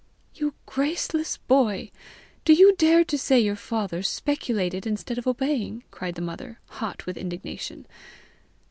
"You graceless boy! Do you dare to say your father speculated instead of obeying?" cried the mother, hot with indignation.